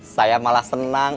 saya malah senang